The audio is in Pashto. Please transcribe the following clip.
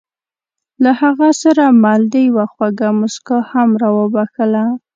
له هغه سره مل دې یوه خوږه موسکا هم را وبښله.